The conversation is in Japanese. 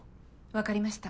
わかりました。